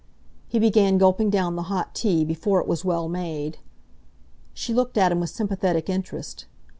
He began gulping down the hot tea before it was well made. She looked at him with sympathetic interest.